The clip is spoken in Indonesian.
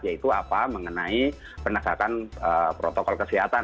yaitu apa mengenai penegakan protokol kesehatan